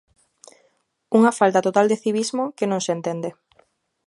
Unha falta total de civismo que non se entende.